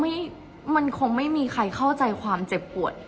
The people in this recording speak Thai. เพราะในตอนนั้นดิวต้องอธิบายให้ทุกคนเข้าใจหัวอกดิวด้วยนะว่า